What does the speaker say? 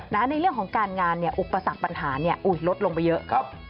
ในเรื่องของการงานอุปสรรคปัญหาลดลงไปเยอะ